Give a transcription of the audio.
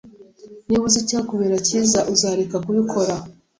Niba uzi icyakubera cyiza, uzareka kubikora.